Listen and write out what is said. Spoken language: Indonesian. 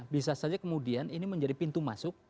bisa saja kemudian ini menjadi pintu masuk